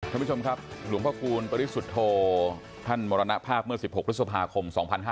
ท่านผู้ชมครับหลวงพระคูณปริสุทธโธท่านมรณภาพเมื่อ๑๖พฤษภาคม๒๕๕๙